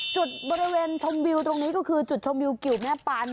จุดบริเวณชมวิวตรงนี้ก็คือจุดชมวิวกิวแม่ปาน